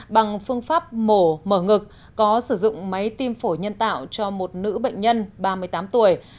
bằng phương pháp mổ mở ngực có sử dụng máy tim phổi nhân tạo cho một nữ bệnh nhân ba mươi tám tuổi